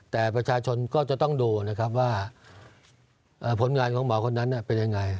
แต่ประชาชนก็จะต้องดูนะครับว่าผลงานของหมอคนนั้นเป็นยังไง